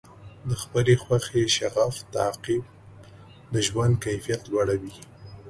د خپلې خوښې شغف تعقیب د ژوند کیفیت لوړوي.